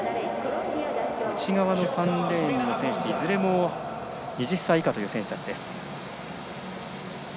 内側の３レーンの選手いずれも２０歳以下の選手たち。